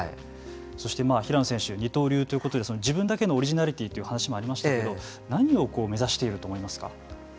そして平野選手二刀流ということで自分だけのオリジナリティーという話もありましたけれど何を目指していると思いますか。